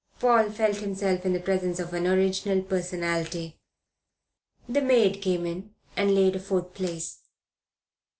Paul felt himself in the presence of an original personality. The maid came in and laid a fourth place.